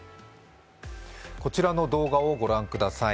こちらの動画をご覧ください。